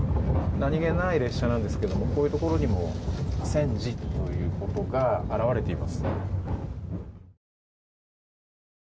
何気ない列車なんですけどこういうところにも戦時ということが表れています。